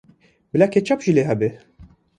Bila ketçap jî lê hebe.